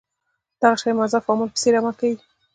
دغه شي مضاعف عامل په څېر عمل کړی.